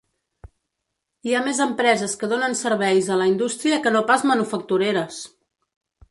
Hi ha més empreses que donen serveis a la indústria que no pas manufactureres!